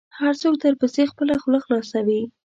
هر څوک درپسې خپله خوله خلاصوي .